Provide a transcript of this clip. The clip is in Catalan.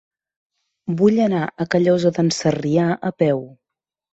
Vull anar a Callosa d'en Sarrià a peu.